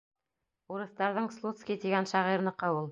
Урыҫтарҙың Слуцкий тигән шағирыныҡы ул.